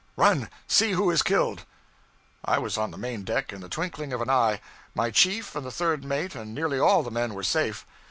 Run! See who is killed!' I was on the main deck in the twinkling of an eye. My chief and the third mate and nearly all the men were safe.